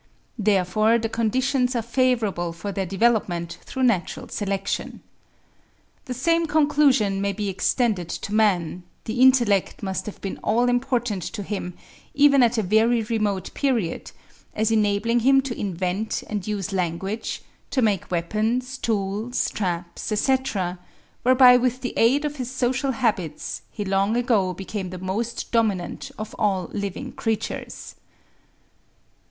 Therefore the conditions are favourable for their development through natural selection. The same conclusion may be extended to man; the intellect must have been all important to him, even at a very remote period, as enabling him to invent and use language, to make weapons, tools, traps, etc., whereby with the aid of his social habits, he long ago became the most dominant of all living creatures.